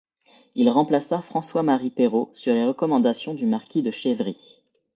Il remplaça François-Marie Perrot sur les recommandations du Marquis de Chevry.